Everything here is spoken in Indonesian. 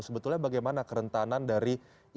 sebetulnya bagaimana kerentanan dari ibu hamil yang diberikan